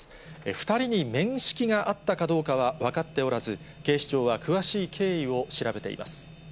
２人に面識があったかどうかは分かっておらず、警視庁は詳しい経緯を調べています。